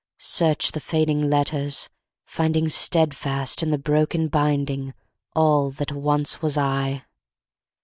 Search the fading letters, finding Steadfast in the broken binding All that once was I!